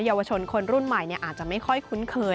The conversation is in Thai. เยาวชนคนรุ่นใหม่อาจจะไม่ค่อยคุ้นเคย